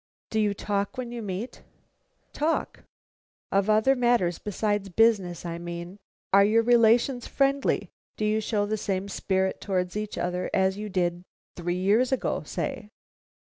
"Do you talk when you meet?" "Talk?" "Of other matters besides business, I mean. Are your relations friendly? Do you show the same spirit towards each other as you did three years ago, say?"